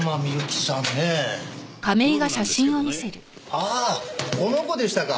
ああこの子でしたか。